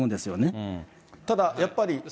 ただ、やっぱり。